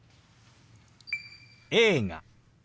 「映画」。